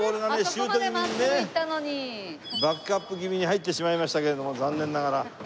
シュートぎみにねバックアップぎみに入ってしまいましたけれども残念ながら。